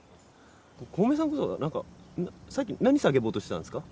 小梅さんこそ何かさっき何叫ぼうとしてたんですか？